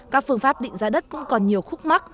các phương pháp định giá đất cũng còn nhiều khúc mắc